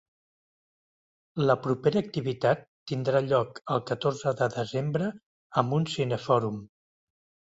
La propera activitat tindrà lloc el catorze de desembre amb un cinefòrum.